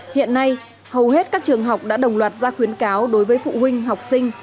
hiện nay hầu hết các trường học đã đồng loạt ra khuyến cáo đối với phụ huynh học sinh